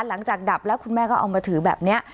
หลังจากดับแล้วคุณแม่ก็เอามาถือแบบนี้